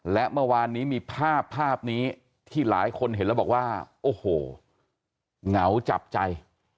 และเมื่อวานนี้มีภาพภาพนี้ที่หลายคนเห็นแล้วบอกว่าโอ้โหเหงาจับใจ